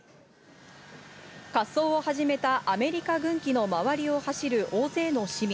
滑走を始めたアメリカ軍機の周りを走る大勢の市民。